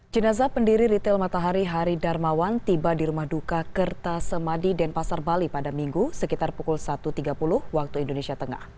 jenazah pendiri retail matahari hari darmawan tiba di rumah duka kertasemadi denpasar bali pada minggu sekitar pukul satu tiga puluh waktu indonesia tengah